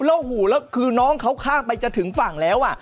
แล้วหูแล้วคือน้องเขาข้ามไปจะถึงฝั่งแล้ว